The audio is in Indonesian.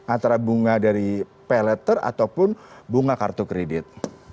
antara bunga dari pay letter ataupun bunga kartu kredit